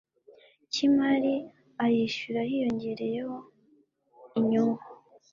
cy imari ayishyura hiyongereyeho inyungu